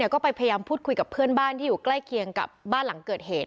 ก็ไปพยายามพูดคุยกับเพื่อนบ้านที่อยู่ใกล้เคียงกับบ้านหลังเกิดเหตุ